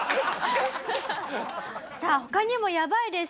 さあ他にもやばいです。